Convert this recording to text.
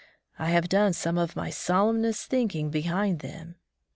I have done some of my solemnest thinking behind them.